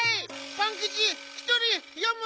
パンキチひとりよむ！